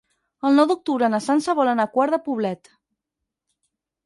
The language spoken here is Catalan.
El nou d'octubre na Sança vol anar a Quart de Poblet.